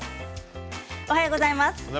おはようございます。